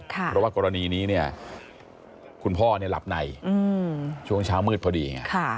เพราะว่ากรณีนี้เนี่ยคุณพ่อหลับในช่วงเช้ามืดพอดีไง